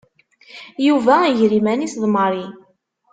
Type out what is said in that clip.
Yuba iger iman-is d Mary.